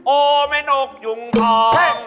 โอเมรุกยุมทอง